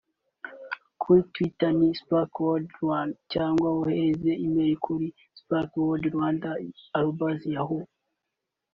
Kuri twitter ni @spokenwordrwa cyangwa wohereze e-mail kuri spokenwordrwanda@yahoo